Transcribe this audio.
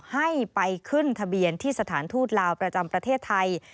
ให้ไปขึ้นทะเบียนที่สถานทูตลาวประจำประเทศไทย